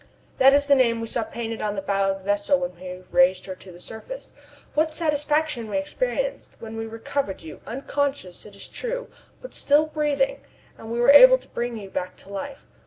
"That is the name we saw painted on the bow of the vessel when we raised her to the surface. What satisfaction we experienced when we recovered you unconscious, it is true, but still breathing and were able to bring you back to life!